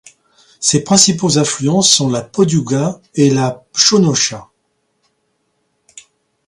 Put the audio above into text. Ses principaux affluents sont la Podiouga et la Chonocha.